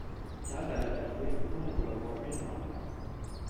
cyagaragajwe n'umugabo wa minuar